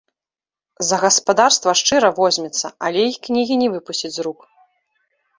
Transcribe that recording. За гаспадарства шчыра возьмецца, але й кнігі не выпусціць з рук.